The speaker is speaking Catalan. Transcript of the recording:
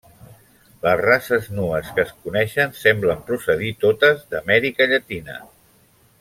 Les races nues que es coneixen semblen procedir totes d'Amèrica Llatina.